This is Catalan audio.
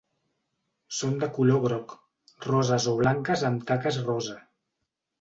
Són de color groc, roses o blanques amb taques rosa.